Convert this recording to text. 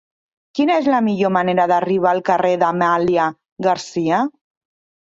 Quina és la millor manera d'arribar al carrer d'Amàlia Garcia?